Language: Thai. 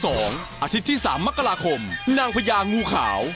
อาทิตย์ที่๓มกราคมนางพญางูขาว